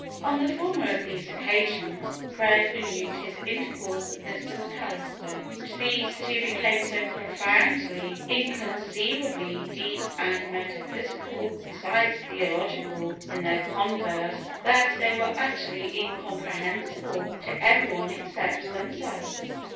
On the former of these occasions Fred renewed his intercourse with Mr McAllister, and these two became so profoundly, inconceivably, deep and metaphysical, besides theological, in their converse, that they were utterly incomprehensible to everyone except themselves.